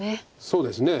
そうですね。